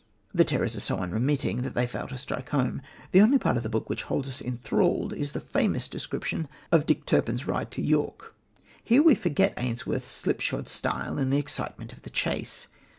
The terrors are so unremitting that they fail to strike home. The only part of the book which holds us enthralled is the famous description of Dick Turpin's ride to York. Here we forget Ainsworth's slip shod style in the excitement of the chase.